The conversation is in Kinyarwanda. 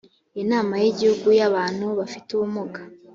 inama y igihugu y abantu bafite ubumuga